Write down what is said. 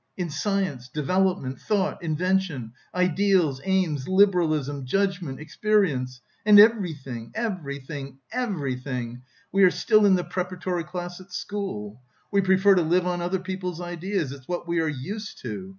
In science, development, thought, invention, ideals, aims, liberalism, judgment, experience and everything, everything, everything, we are still in the preparatory class at school. We prefer to live on other people's ideas, it's what we are used to!